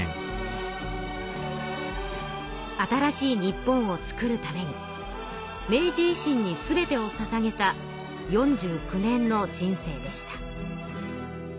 新しい日本をつくるために明治維新にすべてをささげた４９年の人生でした。